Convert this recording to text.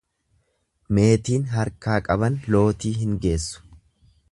Meetiin harkaa qaban lootii hin geessu.